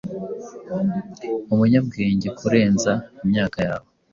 umunyabwenge kurenza imyaka yawe